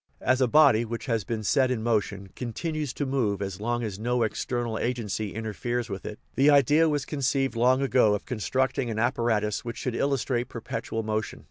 As a body which has been set in motion continues to move as long as no external agency interferes with it, the idea was conceived long ago of constructing an apparatus which should illustrate perpetual motion.